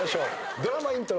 ドラマイントロ。